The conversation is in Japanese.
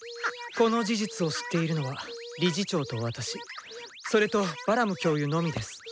この事実を知っているのは理事長と私それとバラム教諭のみです。